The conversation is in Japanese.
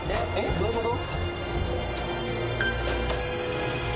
・どういうこと？